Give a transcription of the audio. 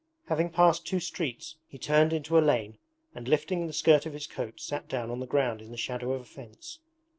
Having passed two streets he turned into a lane and lifting the skirt of his coat sat down on the ground in the shadow of a fence.